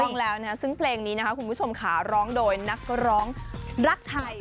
ถูกต้องแล้วนะคะซึ่งเพลงนี้นะคะคุณผู้ชมค่ะร้องโดยนักร้องรักไทย